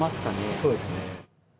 そうですね。